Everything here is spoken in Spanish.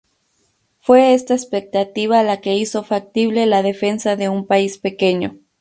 Fue esta expectativa la que hizo factible la defensa de un país pequeño.